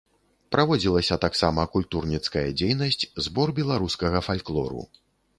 Праводзілася таксама культурніцкая дзейнасць, збор беларускага фальклору.